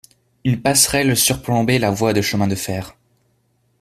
Une passerelle surplombait la voie de chemin de fer.